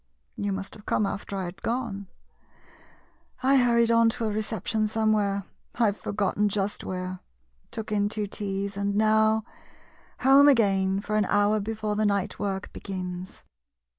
You must have come after I had gone. I hurried on to a reception somewhere — I Ve forgotten just where, took in two teas — and now — home again, for an hour before the night work begins.